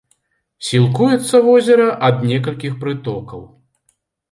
Сілкуецца возера ад некалькіх прытокаў.